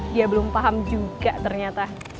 dia belum paham juga ternyata